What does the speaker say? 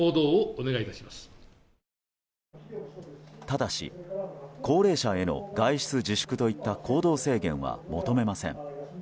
ただし高齢者への外出自粛といった行動制限は求めません。